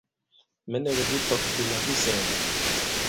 Mɛ̌ nɛ̄ kì bipɔ̄k bila bi sɛ̀ɛ̀.